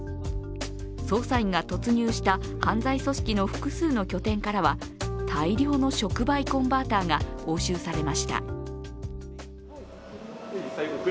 捜査員が突入した犯罪組織の複数の拠点からは大量の触媒コンバーターが押収されました。